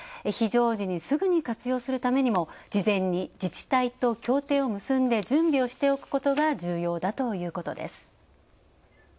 非常時にすぐに活用するためにも事前に自治体と協定を結んで準備をしておくことが重要だということです。